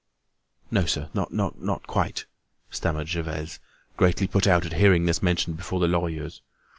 "No, sir, not quite," stammered Gervaise, greatly put out at hearing this mentioned before the Lorilleuxs.